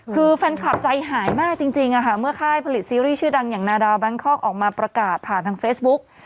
คือแฟนคลับใจหายมากจริงเมื่อค่ายผลิตซีรีส์ชื่อดังอย่างนาดาแบงคอกออกมาประกาศผ่านทางเฟซบุ๊ก